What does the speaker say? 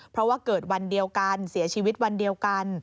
เพราะว่าเกิดวันเดียวกันเสียชีวิตวันเดียวกัน